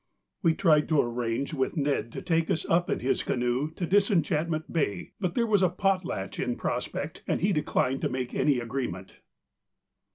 We tried to arrange with Ned to take us up in his canoe to Disenchantment Bay, but there was a 'potlatch' in prospect, and he declined to make any agreement.